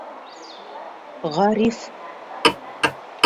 -Ғариф.